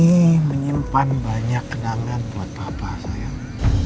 ini menyimpan banyak kenangan buat bapak sayang